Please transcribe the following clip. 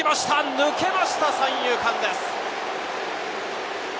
抜けました三遊間です。